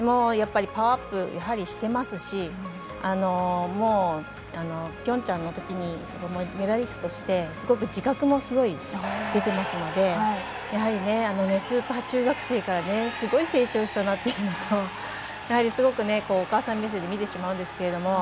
パワーアップしてますしピョンチャンのときにメダリストとして自覚もすごい出てますのでやはり、スーパー中学生からすごい成長したなっていうのとやはり、すごくお母さん目線で見てしまうんですけど。